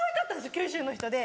九州の人で。